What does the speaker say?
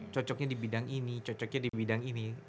cocoknya di bidang ini